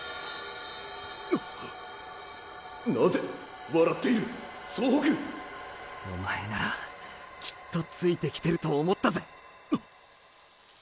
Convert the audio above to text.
なぜ笑っている総北おまえならきっとついてきてると思ったぜ。